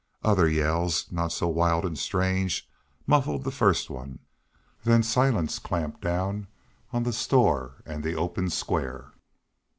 Other yells, not so wild and strange, muffled the first one. Then silence clapped down on the store and the open square.